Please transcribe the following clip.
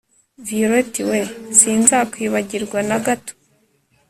violette we! sinzakwibagirwa na gato